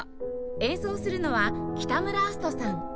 演奏するのは北村明日人さん